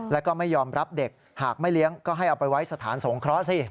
แล้วก็ไม่ยอมรับเด็กหากไม่เลี้ยงก็ให้เอาไปไว้สถานสงเคราะห์สิ